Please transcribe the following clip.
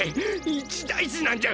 一大事なんじゃ！